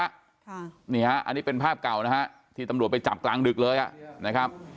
ค่ะนี่ฮะอันนี้เป็นภาพเก่านะฮะที่ตำรวจไปจับกลางดึกเลยอ่ะนะครับ